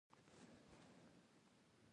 د احمد شونډې تورې شوې.